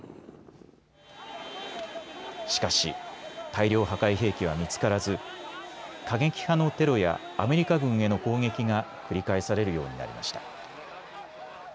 しかし大量破壊兵器は見つからず過激派のテロやアメリカ軍への攻撃が繰り返されるようになりました。